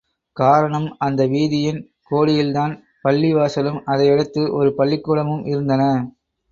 காரணம், அந்த வீதியின் கோடியில்தான் பள்ளி வாசலும், அதையடுத்து ஒரு பள்ளிக் கூடமும் இருந்தன.